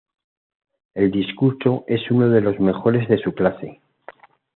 El discurso es uno de los mejores de su clase.